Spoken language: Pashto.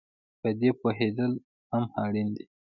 په دې پوهېدل هم اړین دي